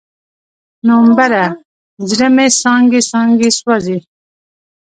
نومبره، زړه مې څانګې، څانګې سوزي